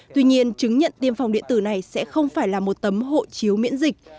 tuy nhiên chứng nhận tiêm phòng điện tử này sẽ không phải là một tấm hộ chiếu miễn dịch